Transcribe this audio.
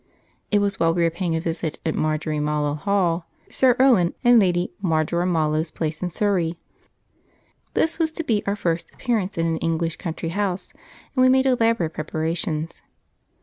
It was while we were paying a visit at Marjorimallow Hall, Sir Owen and Lady Marjorimallow's place in Surrey. This was to be our first appearance in an English country house, and we made elaborate preparations.